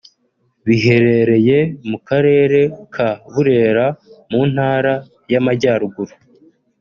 biherereye mu karere ka Burera mu ntara y’ Amajyaruguru